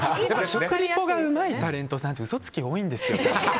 食リポがうまいタレントさんって嘘つきが多いんですよ。